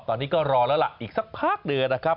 ตอนนี้ก็รอแล้วล่ะอีกสักพักเดียวนะครับ